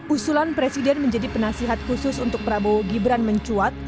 usulan presiden menjadi penasihat khusus untuk prabowo gibran mencuat